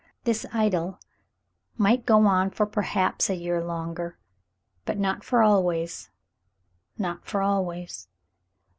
This idyl might go on for perhaps a year longer — but not for always — not for always.